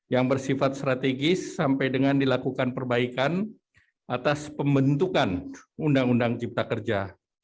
yang bersifat strategis sampai dengan dilakukan perbaikan atas pembentukan undang undang cipta kerja